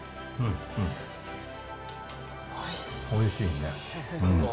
おいしいね。